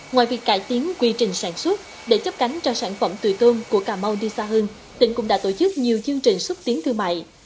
ngoài việc cải tiến quy trình sản xuất để chấp cánh cho sản phẩm tùy tôm của cà mau đi xa hơn tỉnh cũng đã tổ chức nhiều chương trình xúc tiến thương mại